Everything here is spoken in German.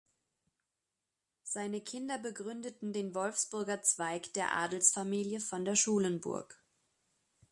Seine Kinder begründeten den Wolfsburger Zweig der Adelsfamilie von der Schulenburg.